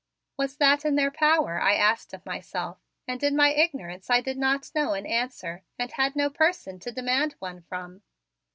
Was that in their power, I asked of myself, and in my ignorance I did not know an answer and had no person to demand one from.